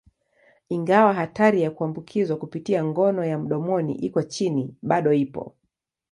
Ingawa hatari ya kuambukizwa kupitia ngono ya mdomoni iko chini, bado ipo.